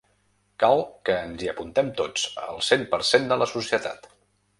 Cal que ens hi apuntem tots, el cent per cent de la societat.